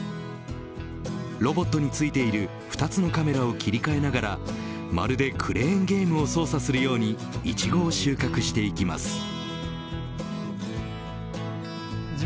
ロボットについている２つのカメラを切り替えながらまるでクレーンゲームを操作するようにイチゴを収穫していきます。